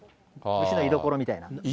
虫の居所みたいな。